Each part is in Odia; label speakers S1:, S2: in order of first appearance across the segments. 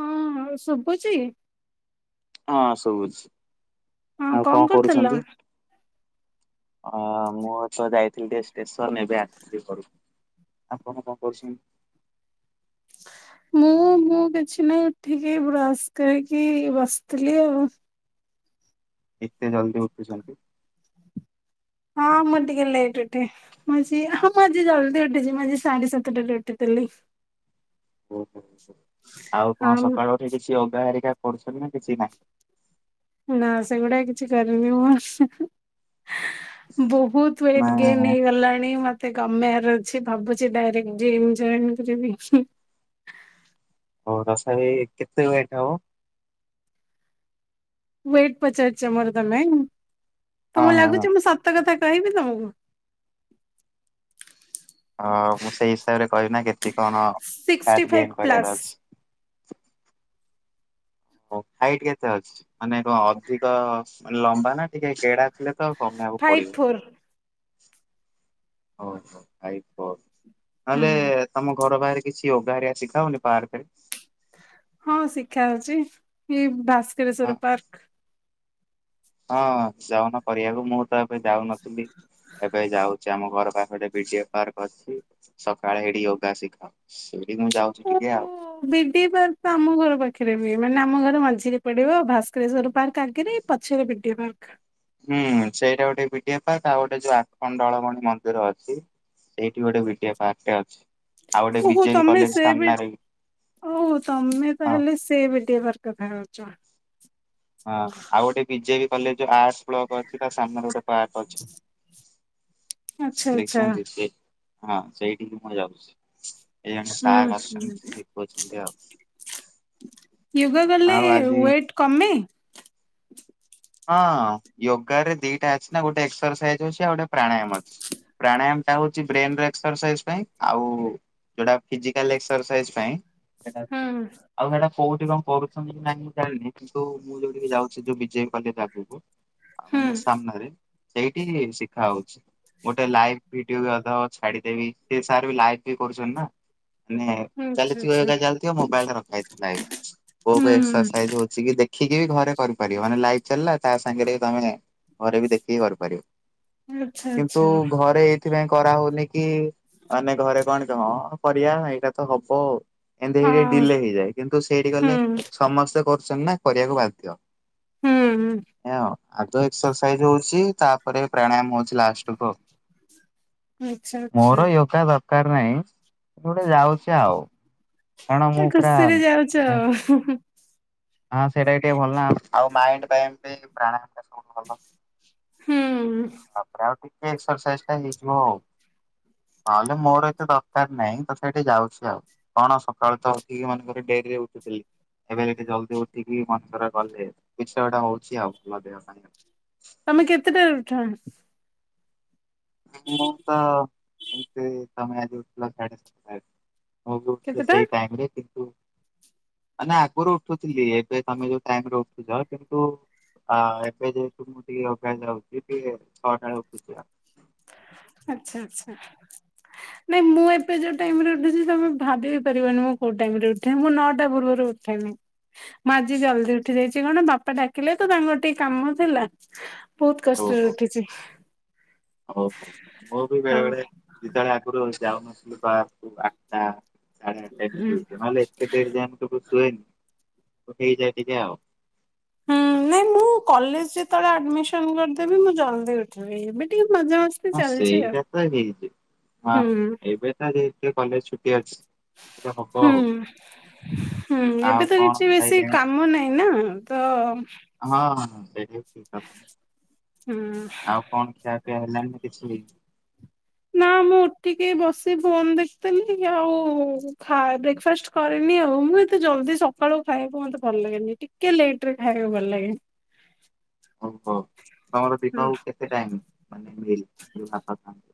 S1: ହଁ ହଁ ଶୁଭୁଛି?
S2: ହଁ ସବୁଛି
S1: ହଁ
S2: ଆଉ କଣ
S1: କରୁଥିଲ?
S2: କରୁଛନ୍ତି? ଅ ମୁଁ ତ ଯାଇଥିଲି ଟିକେ ଷ୍ଟେସନ ଏବେ ଆସିଥିଲି ଘରକୁ। ଆପଣ କଣ କରୁଛନ୍ତି?
S1: ମୁଁ ମୁଁ କିଛି ନାହିଁ ଉଠିକି ବ୍ରଶ କରିକି ବସିଥିଲି ଆଉ।
S2: ଏତେ ଜଲ୍ଦି ଉଠୁଛନ୍ତି?
S1: ହଁ ମୁଁ ଟିକେ ଲେଟ୍ ଉଠେ। ହଁ ସେ ମୁଁ ଜଲଦି ଉଠିଛି ମୁଁ ଆଜି ସାଢେ ସାତଟାରେ ଉଠିଥିଲି।
S2: ଓହୋ ଆଉ
S1: ହଁ
S2: କଣ ସକାଳୁ ଉଠି କିଛି ୟୋଗା ଏରିକା କରୁଛନ୍ତି ନା କିଛି ନାଇଁ?
S1: ନା ସେ ଗୁଡା କିଛି କରିନି ମୁ। ବହୁତ ୱେଟ
S2: ମାନେ
S1: ଗେନ୍ ହେଇଗଲାଣି ମତ୍ ଏ କମେଇବାର ଅଛି ଭାବୁଛି ଡାଇରେକ୍ଟ ଜିମ୍ ଜଏନ୍ କରିବି।
S2: ହଉ ତଥାପି କେତେ ୱେଟ ହବ?
S1: ୱେଟ ପଚାରୁିଛ ମୋର ତମେ
S2: ହଁ
S1: ତମକୁ
S2: ହଁ ହଁ
S1: ଲାଗୁଛି ମୁଁ ସତ କଥା କହିବି ତମକୁ?
S2: ହ ମୁଁ ସେଇ ହିସାବରେ କହିବି ନା କେତେ କଣ
S1: ସିକ୍ସଟି
S2: ପାର୍ଟ
S1: ଫାଇଭ୍
S2: ଗେନ୍ କରିବାର
S1: ପ୍ଲସ୍
S2: ଅଛି। ହଉ ହାଇଟ୍ କେତେ ଅଛି ମାନେ କଣ ଅଧିକ ଲମ୍ବା ନା ଟିକେ ଗେଡା ଥିଲେ ତଉ କମେଇବାକୁ
S1: ଫାଇଭ୍ ଫୋର୍
S2: ପଡିବ। ଓହୋ ହାଇଟ୍ ଫୋର୍ ନ ହେଲେ
S1: ହୁଁ।
S2: ତମ ଘର ବାହାରେ କିଛି ୟୋଗାହାରିଆ ଶିଖାଉନି ପାର୍କ ରେ?
S1: ହଁ ଶିକ୍ଷା ହଉଛି ଏଇ ଭାସ୍କରେଶ୍ଵର ପାର୍କ
S2: ହଁ ଯାଉନ କରିବାକୁ ମୁଁ ତ ଏବେ ଯାଉନଥିଲି ଏବେ ଯାଉଛି ସେ ଆମ ଘର ପାଖରେ ବିଡି ପାର୍କ ଅଛି ସକାଳେ ସେଠି ଯୋଗା ଶିଖାଅ ସେଇଠିକି ମୁଁ ଯାଉଛି ଟିକେ ଆଉ।
S1: ବିଡି ପାର୍କ ତ ଆମ ଘର ପାଖରେ ବି ମାନେ ଆମ ଘର ମଝିରେ ପଡିବ ଆଉ ଭାସ୍କରେଶ୍ଵର ପାର୍କ ଆଗରେ ପଛରେ ବିିଡି ପାର୍କ
S2: ହୁଁ ସେଇଟା ଗୋଟେ ବିଡିଆ ପାର୍କ ଆଉ ଗୋଟେ ଯୋଉ ଆଠକଣ୍ଡଳମଣି ମନ୍ଦିର ଅଛି। ସେଇଠି ଗୋଟେ ପାର୍କ ଅଛି ଆଉ ଗୋଟେ ବିଜେ କଲେଜ ସାମ୍ନାରେ
S1: ହଉ ତମେ
S2: ହଁ।
S1: ତାହେଲେ ସେ ବି ଡ଼ି ଏ ପାର୍କ କଥା କହୁଛ।
S2: ହଁ ଆଉ ଗୋଟେ ବିଜେ କଲେଜ ଆଟ ବ୍ ଅଛି ତା ସାମ୍ନାରେ ଗୋଟେ ପାର୍କ ଅଛି।
S1: ଆଚ୍ଛା
S2: ଦେ
S1: ଆଚ୍ଛା
S2: ସେ ହଁ ସେଇଠ ମଜାଉଛି। ଏଇ
S1: ହୁଁ
S2: ସା
S1: ହୁଁ
S2: ଆଛନ୍ତି ଶିକଉଛନ୍ତି ଆଉ।
S1: ୟୋଗା କଲେ
S2: ଆଉ ଆଜି
S1: ୱେଟ୍ କମେ?
S2: ହଁ ଯୋଗ ରେ ଦିଟା ଅଛି ନା ଗୋଟେ ଏକ୍ସରସାଇଜ ଅଛି ଆଉ ଗୋଟେ ପ୍ରାଣାୟାମ ଅଛି। ପ୍ରାଣାୟାମ ଟା ହଉଛି ବ୍ରେନ ଏକ୍ସରସାଇଜ ପାଇଁ ଆଉ ଯୋଉଟା ଫିଜିକାଲ ଏକ୍ସରସାଇଜ ପାଇଁ
S1: ହୁଁ
S2: ଆଉ ସେଇଟା କୋଉଠି କଣ କରୁଛନ୍ତି କି ନାଇଁ ମୁଁ ଜାଣିନି କିନ୍ତୁ ମୁଁ ଯୋଉଠିକି ଯାଉଛି ଯୋଉ ବିଜୟ କଲି ଆଗକୁ
S1: ହୁଁ
S2: ମାନେ ସାମ୍ନାରେ ସେଇଠି ଶିଖା ହଉଛି। ଗୋଟେ ଲାଇଭ ଭିଡିଓ ବି ଅ ଛାଡିଦେବି ସେ ସାର୍ ବି ଲାଇଭ ବି କରୁଛନ୍ତି ନା
S1: ଆଚ୍ଛା ଆଚ୍ଛା
S2: ଚାଲିା ଚାଲଲି ମୋବାଇଲରେ ରଖା ଏକ୍ସ
S1: ହୁଁ
S2: [unintelligible] ଦେଖିକି ବି ଘରେ କରିପାରିବ ମାନେ ଲାଇଫ ଚାଲିଲା ତା ସାଙ୍ଗରେ ତମେ ଘରେ ବି ଦେଖିକି କରିପାରିବ
S1: ଆଚ୍ଛା
S2: କିନ୍ତୁ
S1: ଆଚ୍ଛା
S2: ଘରେ ସେଥିପାଇଁ କରା ହଉନି କି ମାନେ ଘରେ କଣ ହଁ କରିବା ଏଇଟା ତ ହବ ଆଉ। ଏମିତି ସେଇ ଟ
S1: ହଁ
S2: ଡିଲେ ହେଇଯାଏ କିନ୍ତୁ ସେଇଠି ଗଲେ
S1: ହୁଁ
S2: ସମସ୍ତେ କରୁଛନ୍ତି ନା କରିବାକୁ ବାଧ୍ୟ।
S1: ହୁଁ।
S2: ଉ ଆଗ ଏକ୍ସରସାଇଜ ହଉଛି ତାପରେ ପ୍ରାଣୟାମ ହଉଛି ଲାଷ୍ଟକୁ
S1: ଆଚ୍ଛା ଆଚ୍ଛା
S2: ମୋର ଯୋଗା ଦରକାର ନାହିଁ ଗୋଟେ ଯାଉଛି ଆଉ। କାରଣ ମୁଁ
S1: ଏ
S2: ପୁରା
S1: ଖୁସିରେ ଯାଉଛ
S2: ମାନେ
S1: ଆଉ।
S2: ହଁ ସେଇଟା ଟିକେ ଭଲ ନା ଆଉ ମାଇ ପାଇଁ ପ୍ରାବ ଭଲ।
S1: ହୁଁ।
S2: ତାପରେ ଆଉ ଟିକେ ଏକ୍ସରସାଇଜ ଟା ହେଇଯିବ ଆଉ। ନହେଲେ ମୋର ଏତେ ଦରକାର ନାହିଁ ତ ସେଇଠି ଯାଉଛି ଆଉ। କଣ ସକାଳୁ ତ ଉଠିକି ମାନେଙ୍କର ଡେରିରେ ଉଠୁଥିଲି। ଏବେ ଏକେ ଜଲଦି ଉଠିକି ମନେଥର ଗଲେ କିସୟଟା ହଉଛି ଆଉ ଭଲ ଦେବା ପାଇଁ।
S1: ତମେ କେତେଟାରେ ଉଠ?
S2: ମୁଁ ତ ଏମିତି ସମୟ ଆଜି ଉଠିଲ ସା଼ ସାତ ମୁଁ
S1: କେତେଟା
S2: ସେଇ ଟାଇମରେ କିନ୍ତୁ ନା ଆଗରୁ ଉଠୁଥିଲି ଏବେ ତମେ ଯୋଉାଇ ଉଠୁଛି କିନ୍ତୁ ଆ ଏବେ ଯେହେତୁ ମୁଁ ଟିକେ ଅଭ ଯାଉଛି ଟିକେ ଛଅଟାଳେ ଉଠୁଛି
S1: ଆଚ୍ଛା ଆଛା। ନାଇଁ ମୁଁ ଏବେ ଯୋଉ ଟାଇମ ରେ ଉଠୁଛି ତମେ ଭାବି ପାରିବନି ମୁଁ କୋଉ ଟାଇମ ରେ ଉଠେଇି ମୁଁ ନଅଟା ପୂର୍ବରୁ ଉଠେଇମି ମାଜି ଜଲଦି ଉଠି ଯାଇଛି କଣ ବାପା ଡାକିଲେ ତ ତାଙ୍କର ଟିକେ କାମ ଥିଲା। ବହୁତ କଷ୍ଟରେ ଉଠିଛି।
S2: ଓହୋ ମୁଁ ବି
S1: ହଁ
S2: ବେଳେ ବେଳେ ଯେତେବେଳେ ଆଗୁରୁ ଯାଉନଥିଲି ବାହାରକୁ ଆଠଟା ସାଢେ ଆଠଟା।
S1: ହୁଁ।
S2: [unintelligible] ନହେଲେ ଏତେ ଡେରି ଯାଏ ମୁଁ କେବେ ଶୁଏନି। [unintelligible] ହେଇଯାଏ ଟିକେ ଆଉ।
S1: ହୁଁ ନାଇଁ ମୁଁ କଲେଜ ଯେତେବେଳେ ଆଡମିସନ କରିଦେବି ମୁଁ ଜଲ୍ଦି ଉଠି ଆଉ ଏବେ ଟିକେ ମଜା [unintelligible]
S2: ହଁ
S1: ଆଉ।
S2: ସେଇଟା ତ ହେଇଛି। ହଁ
S1: ହୁଁ
S2: ଏବେ ତ [unintelligible] କଲେଜ ଛୁ ଟି ଅଛି। [unintelligible] ହବ ଆଉ।
S1: ହୁଁ। ହୁଁ
S2: ଆଉ
S1: ଏବେ ତ
S2: କଣ
S1: କିଛି ବେଶୀ
S2: ଖାଇଲେଣି
S1: କାମ ନାହିଁ ନା ତ।
S2: ହଁ ହଁ ହଁ ସେଇଟା ବି ଠିକ୍ କଥା
S1: ହୁଁ
S2: ନା। ଆଉ କଣ ଖିଆପିଆ ହେଲାଣି ନା କିଛି ହେଇନି?
S1: ନାଁ ମୁଁ ଉଠିକି ବସି ଫୋନ୍ ଦେଖୁଥିଲିି ଆଉ ଖାଦ୍ ବ୍ରେକ୍ଫାଷ୍ଟ କରିନି ଆଉ। ମୁଁ [unintelligible] ଏତେ ଜଲଦି ସକାଳୁ ଖାଇବାକୁ ମତେ ଭଲ ଲାଗେନି। ଟିକେ ଲେଟରେ ଖାଇବାକୁ ଭଲ ଲାଗେ।
S2: ଓହୋ ତମର ଦିନକୁ କେତେ ଟାଇମ୍ ମାନେ ମିଲ୍ ଯୋଉ ଭାତ ଖାଆନ୍ତି?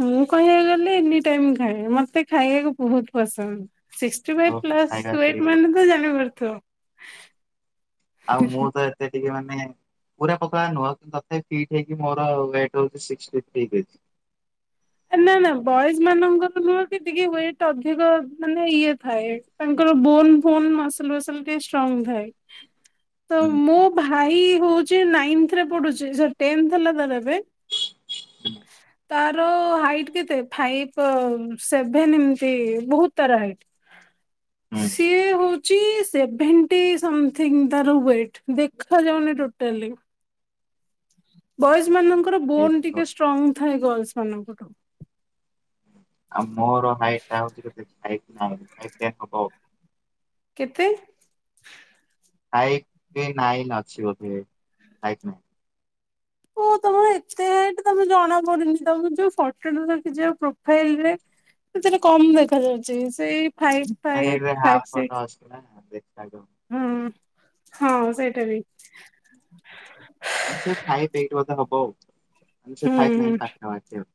S1: ମୁଁ କହିବାକୁ ଗଲେ ଏନି ଟାଇମ୍ ଖାଏ। ମତେ ଖାଇବାକୁ ବହୁତ ପସନ୍ଦ। ସିକ୍ସ୍ ଟି ଫାଇଫ୍
S2: ଓହୋ
S1: ପ୍ଲସ
S2: ଖାଇବା
S1: ୱେଟ୍
S2: ପିରିୟଡ଼
S1: ମାନେ ତ ଜାଣିପାରୁଥିବ।
S2: ଆଉ ମୁଁ ତ ଏତେ ଟିକେ ମାନେ ପୁରା ପତଳା ନୁହଁ କିନ୍ତୁ ତଥାପି ଫିଟ୍ ହେଇକି ମୋର ୱେଟ୍ ହଉଛି ସିକ୍ସଟି ଥ୍ରୀ କେଜି।
S1: ଏ ନାଁ ନାଁ ବଏଜମାନଙ୍କର ନୁହଁ କି ଟିକେ ୱେଟ୍ ଅଧିକ ମାନେ ଇଏ ଥାଏ। ତାଙ୍କର ବୋନ୍ ଫୋନ୍ ମସଲ୍ ଫସଲ୍ ଟିକେ ଷ୍ଟ୍ରଙ୍ଗ ଥାଏ। ତ
S2: ହୁଁ
S1: ମୋ ଭାଇ ହଉଛି ନାଇନ୍ଥରେ ପଢ଼ୁଛି ସରି ଟେନ୍ଥ ହେଲା ତାର ଏବେ ତାର ହାଇଟ୍ କେତେ ଫାଇପ୍ ସେଭେନ୍ ଏମିତି ବହୁତ ତାର ହାଇଟ୍।
S2: ହୁଁ
S1: ସିଏ ହଉ ଚି ସେଭେଣ୍ଟି ସମଥିଙ୍ଗ୍ ତାର ୱେଟ୍। ଦେଖାଯାଉନି ଟୋଟାଲି। ବଏଜମାନଙ୍କର ବୋନ୍
S2: ଏଇସବୁ।
S1: ଟିକେ ଷ୍ଟ୍ରଙ୍ଗ ଥାଏ ଗର୍ଲସ ମାନଙ୍କଠୁ।
S2: ଆଉ ମୋର ହାଇଟଟା ହଉଛି କେତେ ଫାଇଭ୍ ନାଇନ୍ ଫାଇଭ୍ ଟେନ୍ ହବ ଆଉ।
S1: କେତେ?
S2: ଫାଇଭ୍ [unintelligible] ନାଇନ୍ ଅଛି ବୋଧେ ଫାଇଭ୍ ନାଇନ୍।
S1: ଓଃ ତମର ଏତେ ହାଇଟ୍ ତମେ ଜଣା ପଡୁନି ତମେ ଯୋଉ ଫଟୋଟା ରଖିଛ ପ୍ରୋଫାଇଲରେ ସେଥିରେ କମ୍ ଦେଖାଯାଉଛି। ସେଇ ଫାଇଭ୍
S2: [unintelligible]
S1: ଫାଇଭ୍
S2: ସେଇଟାରେ
S1: ଫାଇଭ୍
S2: ହାଫ୍
S1: ସିକ୍ସ
S2: ଫଟୋ ଅଛି ନା ଦେଖାଯାଉନି।
S1: ହୁଁ ହଁ ସେଇଟା ବି।
S2: ହଁ ସେଇ ଫାଇଭ୍ ଏଇଟ୍ ବୋଧେ ହବ ଆଉ। ସେ
S1: ହୁଁ
S2: ଫାଇଭ୍ ନାଇନ୍
S1: ହୁଁ
S2: ପାଖାପାଖି ଆଉ।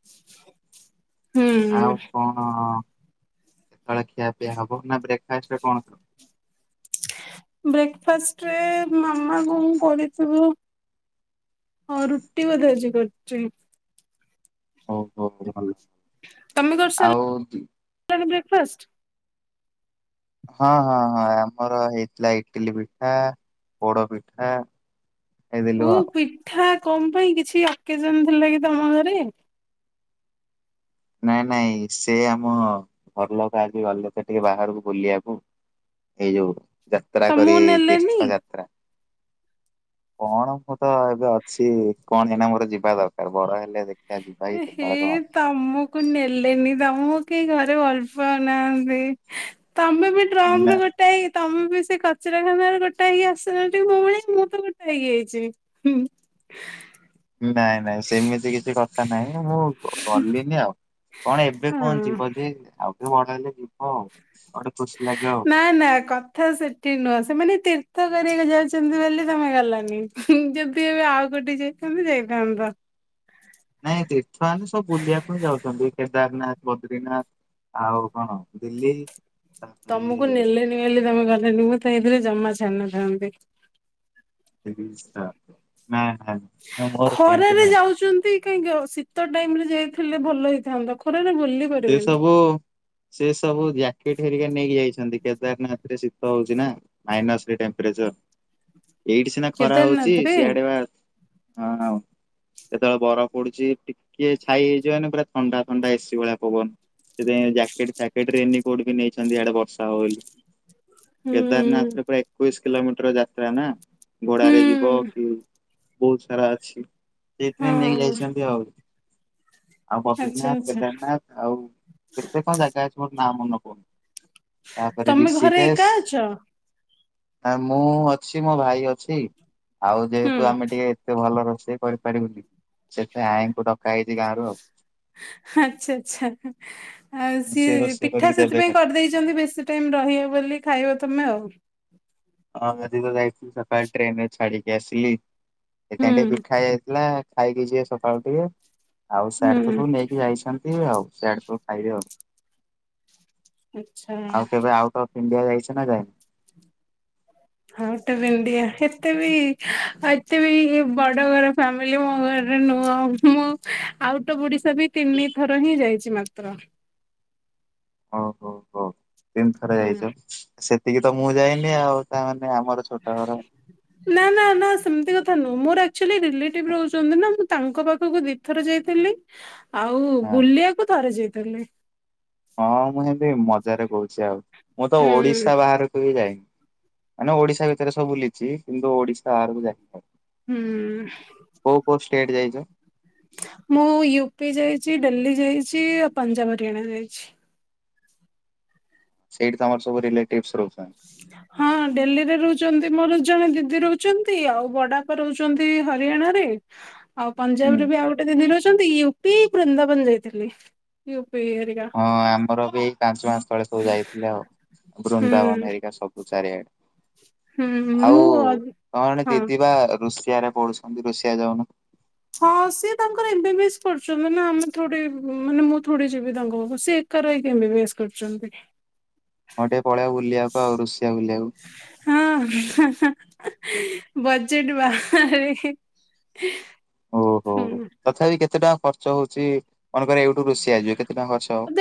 S1: ହୁଁ
S2: ଆଉ କଣ ସକାଳେ ଖିଆପିଆ ହବ ନା ବ୍ରେକଫାଷ୍ଟରେ କଣ ଖାଅ?
S1: ବ୍ରେକଫାଷ୍ଟରେ ମାମା କଣ କରିଥିବ? ହଁ ରୁଟି ବୋଧେ ଆଜି କରିଛି।
S2: ଓହୋ [unintelligible]
S1: ତମେ
S2: ଆଉ
S1: କରିସାରିଲଣି ବ୍ରେକଫାଷ୍ଟ?
S2: ହଁ ହଁ ହଁ ଆମର ହେଇଥିଲା ଇଟିଲି ପିଠା, ପୋଡ ପିଠା ଖାଇଦେଲୁ
S1: ଓ
S2: ଆଉ
S1: ପିଠା କଣ ପାଇଁ କିଛି ଅକେଜନ ଥିଲା କି ତମ ଘରେ?
S2: ନାଇଁ ନାଇଁ ସେ ଆମ ଘରଲୋକ ଆଜି ଗଲେ ତ ଟିକେ ବାହାରୁକୁ ବୁଲିବାକୁ। ଏଇ ଯୋଉ ଯାତ୍ରା
S1: ତମକୁ
S2: କରି
S1: ନେଲେନି?
S2: ତୀର୍ଥଯାତ୍ରା। କଣ ମୁଁ ତ ଏବେ ଅଛି କଣ ଏଇନା ମୋର ଯିବା ଦରକାର। ବଡ ହେଲେ ଦେଖ୍
S1: ଏ ହେ ତମକୁ ନେଲେନି ତମକୁ କେହି ଘରେ ଭଲ ପାଉନାହାନ୍ତି ତମେ ବି ରମ୍ ର
S2: ନାଇଁ
S1: ଗୋଟେ ଗୋଟାଇ ତମେ ବି ସେ କଚରାଖାନାରେ ଗୋଟା ହେଇକି ଆସିଚ ସେମିତି ମୋ ଭଳିଆ ମୁଁ ତ ଗୋଟା ହେଇକି ଆଇଚି ହୁଁ
S2: ନାଇଁ ନାଇଁ ସେମିତି କିଛି କଥା ନାହିଁ ମୁଁ ଗଲିନି ଆଉ କଣ ଏବେ କୁହନ୍ତି
S1: ହଁ।
S2: ବୋଧେ ଯିବ ଆଉ ଟିକେ ବଡ ହେଲେ ଯିବ ଆଉ ଗୋଟେ ଖୁସି ଲାଗିବ ଆଉ
S1: ନା ନା କଥା ସେଠି ନୁହଁ ସେମାନେ ତୀର୍ଥ କରିବାକୁ ଯାଉଛନ୍ତି ବୋଲି ତମେ ଗଲନି। ଯଦି ଏବେ ଆଉ ଗୋଟେ ଯାଇଥାନ୍ତେ ଯାଇଥାନ୍ତ
S2: ନାଇଁ ତୀର୍ଥମାନେ ସବୁ ବୁଲିବାକୁ ଯାଉଛନ୍ତି କେଦାରନାଥ ବଦ୍ରିନାଥ ଆଉ କଣ ଦିଲ୍ଲୀ
S1: ତମକୁ
S2: ତାପରେ
S1: ନେଲେନି ବୋଲି ତମେ ଗଲନି ମୁଁ ତ ହେଇଥିଲେ ଜମା ଛାଡ଼ିନଥାନ୍ତି
S2: ନା ନା [unintelligible] ମୋର ସେମିତି
S1: ଖରାରେ
S2: ନାହିଁ
S1: ଯାଉଛନ୍ତି। କାହିଁକି ଶୀତ ଟାଇମରେ ଯାଇଥିଲେ ଭଲ ହେଇଥାନ୍ତା ଖରାରେ ବୁଲି
S2: ସେ
S1: ପାରିବେନି।
S2: ସବୁ ସେ ସବୁ ଜ୍ୟାକେଟ ହେରିକା ନେଇକି ଯାଇଛନ୍ତି କେଦାରନାଥରେ ଶୀତ ହଉଛି ନା ମାଇନସରେ ଟେମ୍ପଜର ଏଇଠି ସିନା ଖରା ହଉଛି
S1: କେଦାରନାଥରେ
S2: ସିଆଡେ ବା ହଁ ହଁ ଯେତେବେଳେ ବରଫ ପଡୁଛି ଟିକେ ଛାଇ ହେଇଯିବନି ପୁରା ଥଣ୍ଡା ଥଣ୍ଡା ଏସି ଭଳିଆ ପବନ ସେଥିପାଇଁ ଜ୍ୟାକେଟ ଫ୍ୟାକେଟ ରେନିକୋଟ ବି ନେଇଛନ୍ତି ଇଆଡେ ବର୍ଷା ହବ ବୋଲି
S1: ହୁଁ
S2: କେଦାରନାଥରେ ପୁରା ଏକୋଇଶି କିଲୋମିଟର ଯାତ୍ରା ନା ଘୋଡାରେ ଯିବ
S1: ହୁଁ
S2: କି ବହୁତ ସାରା ଅଛି ସେଥିପାଇଁ ନେଇକି
S1: ହଁ।
S2: ଯାଇଛନ୍ତି ଆଉ ଆଉ
S1: ଆଚ୍ଛା
S2: ବଦ୍ରନାଥ
S1: ଆଚ୍ଛା
S2: କେଦାରନାଥ ଆଉ କେତେ କଣ ଜାଗା ଅଛି ମୋର ନାଁ ମନ ପଡୁନି। ତାପରେ
S1: ତମେ ଘରେ ଏକା
S2: ରିଷିକେଶ
S1: ଅଛ
S2: ଆ ମୁଁ ଅଛି ମୋ ଭାଇ ଅଛି ଆଉ
S1: ହୁଁ
S2: ଯେହେତୁ ଆମେ ଟିକେ ଏତେ ଭଲ ରୋଷେଇ କରିପାରିବୁ କି ସେଥି ପାଇଁ ଆଈଙ୍କୁ ଡକା ହେଇଛି ଗାଁରୁ ଆଉ
S1: ଆଚ୍ଛା ଆଚ୍ଛା ଆଉ
S2: ସେ
S1: ସିଏ
S2: ରୋଷେଇ
S1: ପିଠା
S2: କରିକି ଦେବେ
S1: ସେଥିପାଇଁ
S2: ଖାଲି।
S1: କରିଦେଇଛନ୍ତି ବେଶୀ ଟାଇମ ରହିବ ବୋଲି ଖାଇବ ତମେ ଆଉ
S2: ହଁ ଆଜି ତ ଯାଇଥିଲି ସକାଳେ ଟ୍ରେନରେ ଛାଡିକି ଆସିଲି ସେଥିପାଇଁ ଟିକେ
S1: ହୁଁ
S2: ପିଠା ହେଇଥିଲା ଖାଇକି ଯିଏ ସକାଳୁ ଟିକେ ଆଉ
S1: ହୁଁ
S2: ସିଆଡେ ତ ସବୁ ନେଇକି ଯାଇଛନ୍ତି ଆଉ ସିଆଡେ ସବୁ ଖାଇବେ ଆଉ
S1: ଆଚ୍ଛା।
S2: ଆଉ କେବେ ଆଉଟ୍ ଅଫ୍ ଇଣ୍ଡିଆ ଯାଇଛ ନା ଯାଇନ।
S1: ହଁ ଆଉଟ୍ ଅଫ୍ ଇଣ୍ଡିଆଏତେ ବି ଆଉ ଏତେ ବି ବଡ ଘର ଫାମିଲି କହିଲି ମୋ ଘରେ ନୁହଁ ମୁଁ ଆଉଟ ଅଫ ଓଡିଶା ବି ତିନି ଥର ହିଁ ଯାଇଛି ମାତ୍ର।
S2: ହଉ ହଉ ହଉ ତିନିଥର
S1: ହୁଁ
S2: ଯାଇଛ ସେତିକି ତ ମୁଁ ଯାଇନି ଆଉ ତାମାନେ ଆମର ଛୋଟ ଘର
S1: ନା ନା ନା ସେମିତି କଥା ନୁହଁ ମୋର ଆକ୍ଚୁଲିଆ ରିଲେଟିଭ ରହୁଛନ୍ତି ନା ମୁଁ ତାଙ୍କ ପାଖକୁ ଦିଥର ଯାଇଥିଲି। ଆଉ ବୁଲିବାକୁ ଥରେ ଯାଇଥିଲେ।
S2: ହଁ ମୁଁ ଏମିତି ମଜାରେ କହୁଛି ଆଉ ମୁଁ ତ
S1: ହୁଁ
S2: ଓଡିଶା ବାହାରକୁ ବି ଯାଇନି। ମାନେ ଓଡିଶା ଭିତରେ ସବୁ ବୁଲିଛି କିନ୍ତୁ ଓଡିଶା ବାହାରକୁ ଯାଇ
S1: ହୁଁ
S2: କୋଉ କୋଉ ଷ୍ଟେଟ୍ ଯାଇଛ
S1: ମୁଁ ୟୁପି ଯାଇଛି ଡେଲି ଯାଇଛି ଆଉ ପଞ୍ଜାବ ହରିୟାଣା ଯାଇଛି।
S2: ସେଇଠି ତମର ସବୁ ରିଲେଟିଭସି ରହୁଛନ୍ତି।
S1: ଯ [unintelligible] ହଁ ଡେଲିରେ ରହୁଛନ୍ତି ମୋର ଜଣେ ଦିଦି ରହୁଛନ୍ତି ଆଉ ବଡାପା ରହୁଛନ୍ତି ହରିୟାଣାରେ। ଆଉ
S2: ହୁଁ
S1: ପଞ୍ଜାବରେ ବି ଆଉ ଗୋ ଟେ ଦିନି ରହୁଛନ୍ତି ୟୁପି ବୃନ୍ଦା ବନ ଯାଇଥିଲି ୟୁପି ଇଏ ରେ।
S2: ହଁ ଆମର ବି ଏଇ ପାଞ୍ଚ ମାସ ତଳେ ସବୁ ଯାଇଥିଲେ ଆଉ
S1: ହୁଁ
S2: ବୃନ୍ଦାବନ ହେରିକା ସବୁ। ଚାରିଆଡେ
S1: ହୁଁ
S2: ଆଉ
S1: ମୁଁ ଅ-
S2: ତ ଣେ
S1: ହଁ
S2: ଦିଦି ବା ରୁଷ ସିଆ ରେ ପଢୁଛନ୍ତି ରୁଷିଆ ଯାଉନୁ।
S1: ହଁ ସିଏ ତାଙ୍କର ଏମବି ବିଏସ୍ କରୁଛନ୍ତି ନା ଆମେ ଥୋଡି ମାନେ ମୁଁ ଥୋଡି ଯିବି ତାଙ୍କ ପାଖକୁ ସିଏ ଏକା ଏକା ରହୀଏମବିଏସ କରୁଛନ୍ତି।
S2: ହଁ ଟିକେ ପଳେଇବା ବୁଲିବାକୁ ଆଉ ରୁଷିଆ ବୁଲିବାକୁ।
S1: ହଁ ବଜେଟ ବାହାରେ।
S2: ଓହୋ
S1: ହୁଁ।
S2: ତଥାପି କେତେ ଟଙ୍କା ଖର୍ଚ ହଉଛି ମନେକର ଏଇଠୁ ରୋଷିଆ ଯିବେ କେତେ ଟଙ୍କା ଖର୍ଚ୍ଚ ହବ?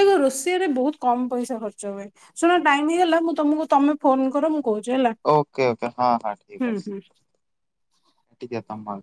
S1: ଆରେ ବହୁତ କମ ପଇସା ଖର୍ଚ୍ଚ ହୁଏ ଶୁଣ ଟାଇମ ହେଇଗଲା ମୁଁ ତମକୁ ତମେ ଫୋନ କର ମୁଁ କହୁଛି ହେଲା।
S2: ଓକେ ଓକେ ହଁ ହଁ ଠିକ
S1: ହୁଁ
S2: ଅଛି
S1: ହୁଁ।
S2: ଟିକେ ତମ